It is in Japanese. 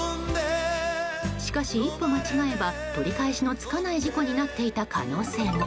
しかし、一歩間違えば取り返しのつかない事故になっていた可能性も。